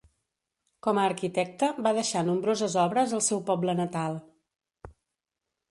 Com a arquitecte va deixar nombroses obres al seu poble natal.